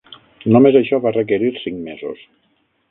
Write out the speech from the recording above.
Només això va requerir cinc mesos.